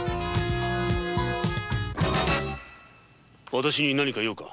私に何か用か？